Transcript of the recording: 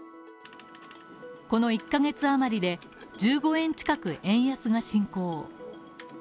この１ヶ月余りで１５円近く円安が進行。